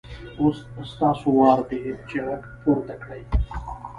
اوس ستاسو وار دی چې غږ پورته کړئ.